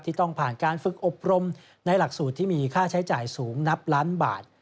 ต้องผ่านการฝึกอบรมในหลักสูตรที่มีค่าใช้จ่ายสูงนับล้านบาท